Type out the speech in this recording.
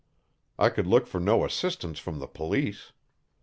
I could look for no assistance from the police.